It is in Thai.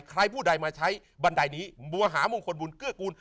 ใครผู้ใดมาใช้บันไดนี้มัวหามงคลบุญเกื้อกูล